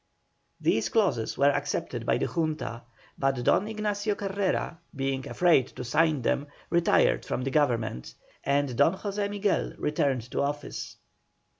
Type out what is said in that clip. These clauses were accepted by the Junta, but Don Ignacio Carrera, being afraid to sign them, retired from the Government, and Don José Miguel returned to office.